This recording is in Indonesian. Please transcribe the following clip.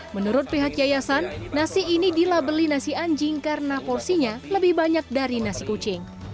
menurut pihak yayasan nasi ini dilabeli nasi anjing karena porsinya lebih banyak dari nasi kucing